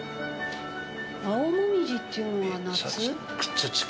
青紅葉っていうのは夏？